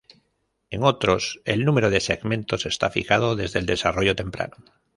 En otros el número de segmentos está fijado desde el desarrollo temprano.